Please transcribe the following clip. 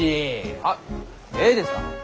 あっえいですか？